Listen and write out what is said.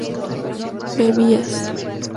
bebías